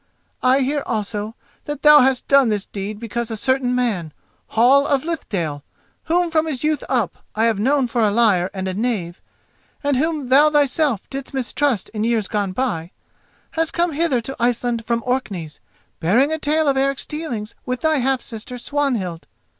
I hear also that thou hast done this deed because a certain man, Hall of Lithdale—whom from his youth up I have known for a liar and a knave, and whom thou thyself didst mistrust in years gone by—has come hither to Iceland from Orkneys, bearing a tale of Eric's dealings with thy half sister Swanhild.